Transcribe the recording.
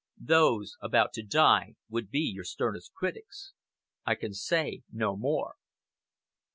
Those about to die would be your sternest critics. I can say no more."